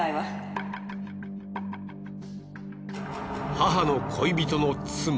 母の恋人の妻